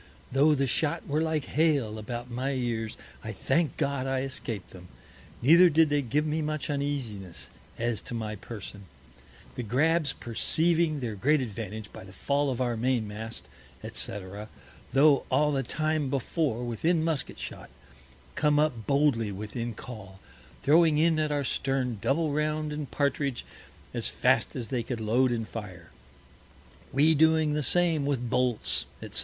Tho' the Shot were like Hail about my Ears, I thank God I escaped them, neither did they give me much Uneasiness as to my Person. The Grabbs perceiving their great Advantage by the Fall of our Main mast, &c. tho' all the time before within Musket Shot, come up boldly within Call, throwing in at our Stern Double round and Partridge as fast as they could load and fire; we doing the same with Bolts, _&c.